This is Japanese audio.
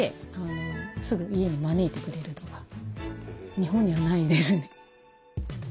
日本にはないですね。